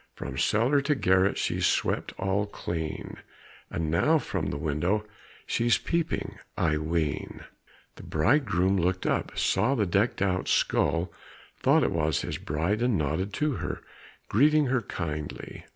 "From cellar to garret she's swept all clean, And now from the window she's peeping, I ween." The bridegroom looked up, saw the decked out skull, thought it was his bride, and nodded to her, greeting her kindly.